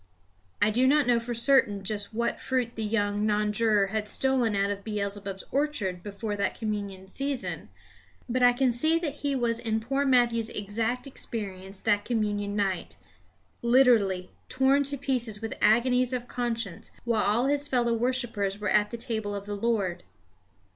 I do not know for certain just what fruit the young non juror had stolen out of Beelzebub's orchard before that communion season; but I can see that he was in poor Matthew's exact experience that communion night, literally torn to pieces with agonies of conscience while all his fellow worshippers were at the table of the Lord.